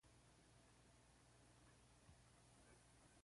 It was the first independent publication by the Bahraini intellectuals.